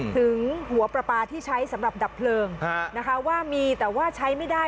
ถึงหัวปลาปลาที่ใช้สำหรับดับเพลิงนะคะว่ามีแต่ว่าใช้ไม่ได้